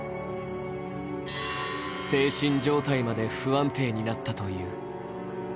精神状態まで不安定になったという。